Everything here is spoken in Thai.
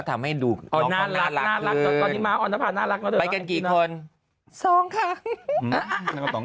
ไปเกินกี่คน